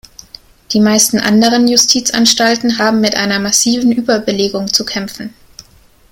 Die meisten anderen Justizanstalten haben mit einer massiven Überbelegung zu kämpfen.